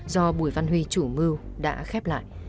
do bùi văn huy chủ mưu đã khép lại